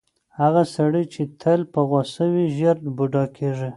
هغه سړی چې تل په غوسه وي، ژر بوډا کیږي.